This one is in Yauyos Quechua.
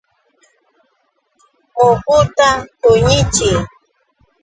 Muhuta qunichiy.